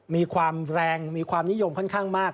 มีความแรงมีความนิยมค่อนข้างมาก